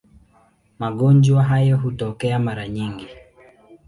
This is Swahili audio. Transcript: Magonjwa hayo hutokea mara nyingi.